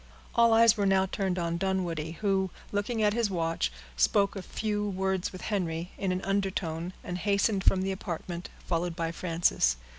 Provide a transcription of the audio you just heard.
All eyes were now turned on Dunwoodie, who, looking at his watch, spoke a few words with Henry, in an undertone, and hastened from the apartment, followed by Frances.